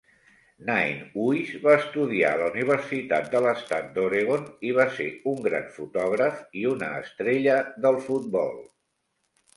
Ninehuis va estudiar a la Universitat de l'Estat d'Oregon i va ser un gran fotògraf i una estrella del futbol.